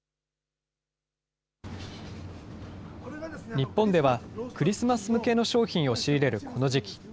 日本では、クリスマス向けの商品を仕入れるこの時期。